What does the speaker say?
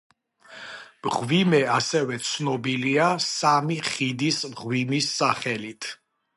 მღვიმე ასევე ცნობილია „სამი ხიდის მღვიმის“ სახელით.